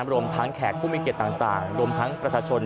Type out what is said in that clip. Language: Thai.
รวมทางแขกผู้มีเกียจต่างรวมทางประสาชน